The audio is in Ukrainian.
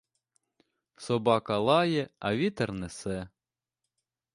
Собака лає, а вітер несе.